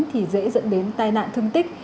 thì dễ dẫn đến tai nạn thương tích